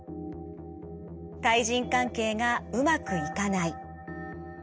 対人関係がうまくいかない。